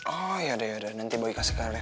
oh ya udah ya udah nanti boy kasih ke reva deh